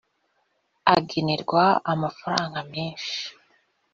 agenerwa amafaranga menshi